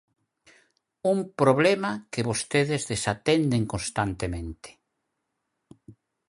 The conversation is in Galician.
Un problema que vostedes desatenden constantemente.